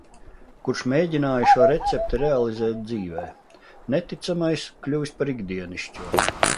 Kurš mēģināja šo recepti realizēt dzīvē. Neticamais kļuvis par ikdienišķo.